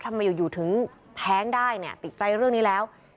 ทำไมอยู่ถึงแท้งได้ติดใจเรื่องนี้แล้ว